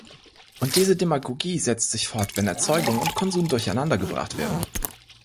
Und diese Demagogie setzt sich fort, wenn Erzeugung und Konsum durcheinander gebracht werden.